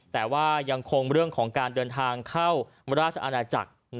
แต่ว่ายังคงเรื่องของการเดินทางเข้าราชอาณาจักร